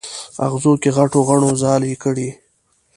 اغزو کې غټو غڼو ځالې کړي